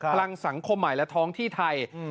พลังสังคมใหม่และท้องที่ไทย